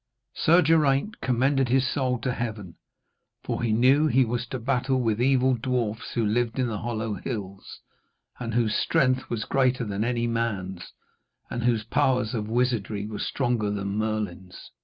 Sir Geraint commended his soul to Heaven, for he knew he was to battle with evil dwarfs who lived in the hollow hills, and whose strength was greater than any man's, and whose powers of wizardry were stronger than Merlin's.